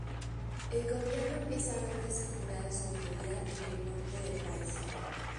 El gobierno empieza a ver desafiada su autoridad en el norte del país.